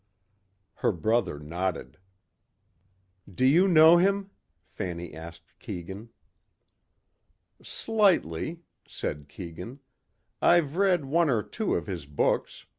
Her brother nodded. "Do you know him?" Fanny asked Keegan. "Slightly," said Keegan. "I've read one or two of his books.